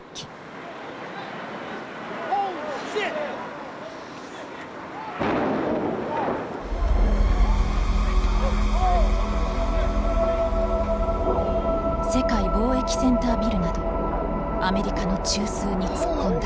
世界貿易センタービルなどアメリカの中枢に突っ込んだ。